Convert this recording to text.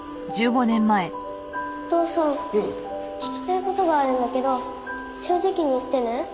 お父さん聞きたい事があるんだけど正直に言ってね。